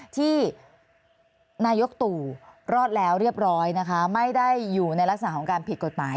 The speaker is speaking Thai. ที่นายกตู่รอดแล้วเรียบร้อยนะคะไม่ได้อยู่ในลักษณะของการผิดกฎหมาย